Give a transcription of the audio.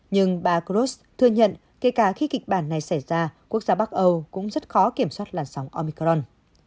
nhưng bà kros thừa nhận kể cả khi kịch bản này xảy ra quốc gia bắc âu cũng rất khó kiểm soát làn sóng omicron